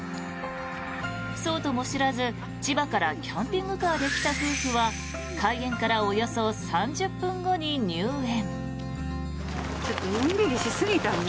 そうとも知らず、千葉からキャンピングカーで来た夫婦は開園からおよそ３０分後に入園。